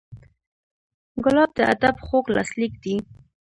ګلاب د ادب خوږ لاسلیک دی.